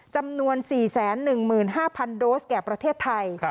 จำนวน๔๑๕๐๐โดสแก่ประเทศไทย